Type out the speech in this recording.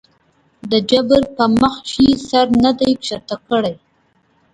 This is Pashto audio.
د جبر پۀ مخکښې سر نه دے ښکته کړے